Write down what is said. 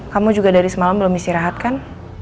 kamu juga dari semalam belum istirahat kan